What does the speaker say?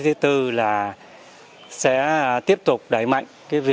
thứ tư là sẽ tiếp tục đẩy mạnh